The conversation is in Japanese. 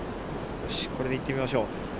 よし、これでいってみましょう。